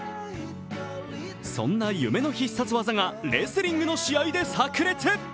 そんな夢の必殺技がレスリングの試合でさく裂。